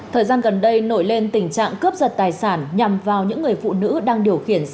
thời gian gần đây nổi lên tình trạng cướp giật tài sản nhằm vào những người phụ nữ đang điều khiển xe